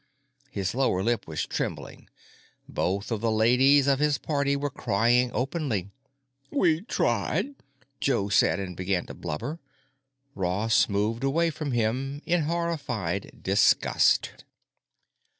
His lower lip was trembling. Both of the ladies of his party were crying openly. "We tried," Joe said, and began to blubber. Ross moved away from him in horrified disgust.